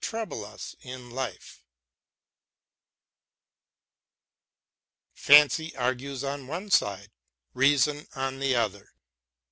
trouble us in life : Fancy argues on one side, Reason on the other.